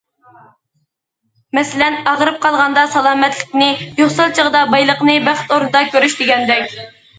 مەسىلەن، ئاغرىپ قالغاندا سالامەتلىكنى، يوقسۇل چېغىدا بايلىقنى بەخت ئورنىدا كۆرۈش دېگەندەك.